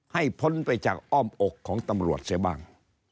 พ้นไปจากอ้อมอกของตำรวจเสียบ้าง